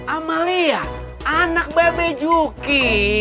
amalia anak bebe juki